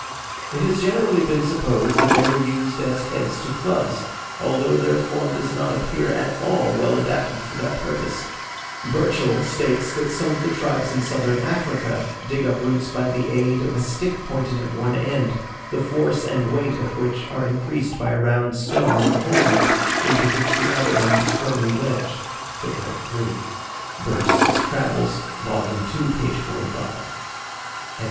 It has generally been supposed that they were used as heads to clubs, although their form does not appear at all well adapted for that purpose. Burchell states that some of the tribes in Southern Africa dig up roots by the aid of a stick pointed at one end, the force and weight of which are increased by a round stone with a hole in it, into which the other end is firmly wedged.